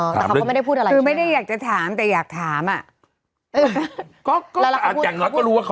กับพี่แมทเอ้ยกับพี่มดไหมคะ